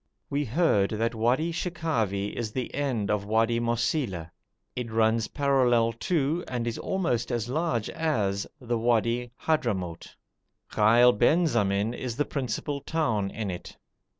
We heard that Wadi Shekhavi is the end of Wadi Mosila. It runs parallel to, and is almost as large as, the Wadi Hadhramout. Ghail Benzamin is the principal town in it.